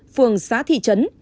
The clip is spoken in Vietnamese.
phường xã thị trấn